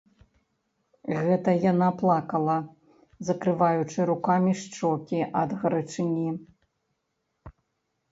Гэта яна плакала, закрываючы рукамі шчокі ад гарачыні.